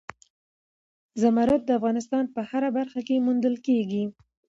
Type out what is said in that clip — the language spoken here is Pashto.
زمرد د افغانستان په هره برخه کې موندل کېږي.